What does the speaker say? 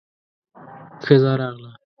ښځه راغله.